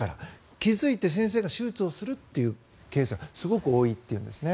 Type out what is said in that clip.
気付いて先生が手術をするというケースがすごく多いっていうんですね。